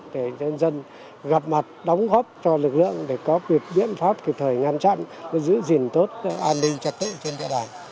để nhân dân gặp mặt đóng góp cho lực lượng để có biện pháp cực thời ngăn chặn để giữ gìn tốt an ninh chặt tự trên địa bàn